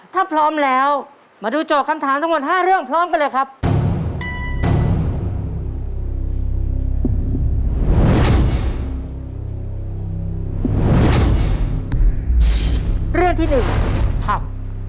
ถ้าพร้อมแล้วมาดูโจทย์คำถามทั้งหมด๕เรื่องพร้อมกันเลยครับ